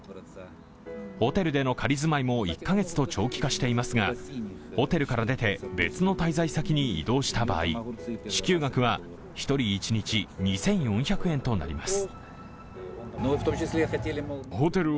ホテルでの仮住まいも１カ月と長期化していますがホテルから出て、別の滞在先に移動した場合、支給額は１人一日２４００円となります。